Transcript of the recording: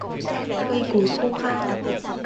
Cây cối khô khát